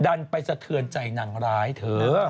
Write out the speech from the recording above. ดันไปสะเทือนใจนางร้ายเธอ